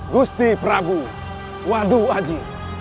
gusti prabu wadu aji